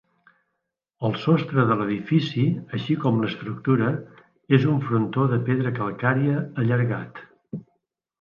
El sostre de l'edifici, així com l'estructura, és un frontó de pedra calcària allargat.